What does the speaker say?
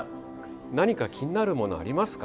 何か気になるものありますか？